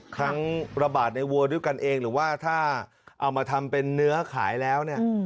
ครั้งระบาดในวัวด้วยกันเองหรือว่าถ้าเอามาทำเป็นเนื้อขายแล้วเนี่ย